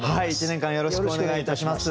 １年間よろしくお願いいたします。